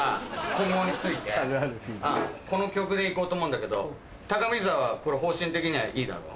今後についてこの曲で行こうと思うんだけど高見沢方針的にはいいだろ？